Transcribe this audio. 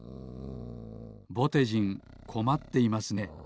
ぼてじんこまっていますね。